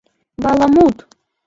— Баламут!